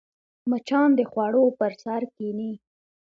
مچان د خوړو پر سر کښېني